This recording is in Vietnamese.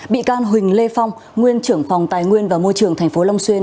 bị can huỳnh lê phong nguyên trưởng phòng tài nguyên và môi trường tp long xuyên